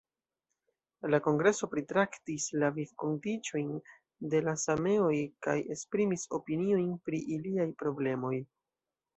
La kongreso pritraktis la vivkondiĉojn de la sameoj kaj esprimis opiniojn pri iliaj problemoj.